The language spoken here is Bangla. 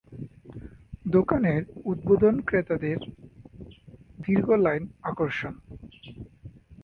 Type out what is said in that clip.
দোকানের উদ্বোধন ক্রেতাদের দীর্ঘ লাইন আকর্ষণ।